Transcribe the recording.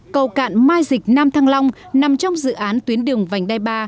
cầu cạn mai dịch nam thăng long nằm trong dự án tuyến đường vành đai ba